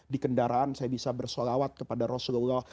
di kendaraan saya bisa bersolawat kepada rasulullah